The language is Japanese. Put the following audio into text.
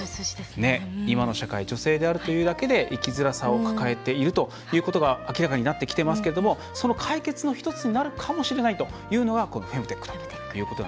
今の社会女性であるというだけで生きづらさを抱えているということが明らかになってきてますけれどもその解決の１つになるかもしれないというのがこのフェムテックということなんです。